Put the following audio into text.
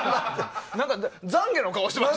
懺悔の顔してましたよ。